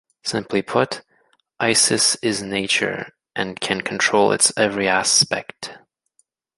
Simply put, Isis is nature and can control its every aspect.